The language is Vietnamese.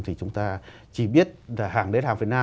thì chúng ta chỉ biết là hàng đấy là hàng việt nam